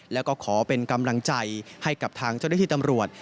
แล้วก็ขอเป็นกำลังใจให้กับทางเจ้าหน้าที่ตำรวจ